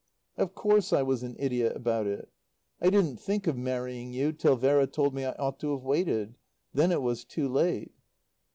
"Of course I was an idiot about it. I didn't think of marrying you till Vera told me I ought to have waited. Then it was too late.